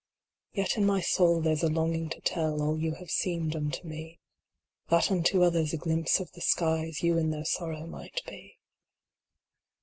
Yet in my soul there s a longing to tell All you have seemed unto me, That unto others a glimpse of the skies You in their sorrow might be.